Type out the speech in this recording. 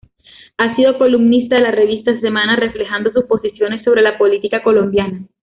Ha sido columnista de la Revista Semana reflejando sus posiciones sobre la política colombiana.